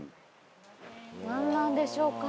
何なんでしょうか？